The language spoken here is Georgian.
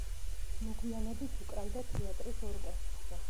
მოგვიანებით უკრავდა ლუკას თეატრის ორკესტრში.